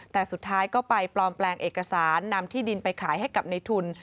แต่สุดท้ายก็ไปปลอมแปลงเอกสารนำที่ดินไปขายให้กับในทุน